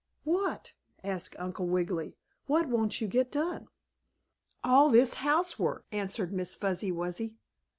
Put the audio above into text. "What?" asked Uncle Wiggily. "What won't you get done?" "All this housework," answered Miss Fuzzy Wuzzy.